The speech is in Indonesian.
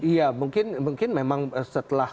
iya mungkin memang setelah